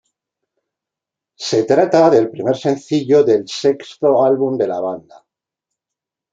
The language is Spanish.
Se trata del primer sencillo del sexto álbum de la banda.